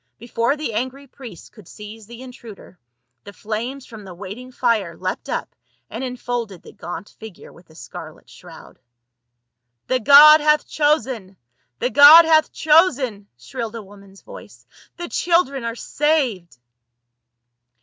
Before the angry priests could seize the intruder, the flames from the waiting fire leapt up and enfolded the gaunt figure with a scarlet shroud. "The god hath chosen! The god hath chosen!" shrilled a woman's voice. " The children are saved